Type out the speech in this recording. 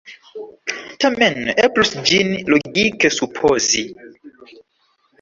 Tamen eblus ĝin logike supozi!